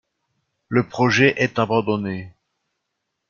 Le projet est abandonné.